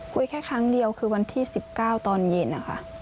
คุยแค่ครั้งเดียวคือวันที่๑๙ตอนเย็นนะคะ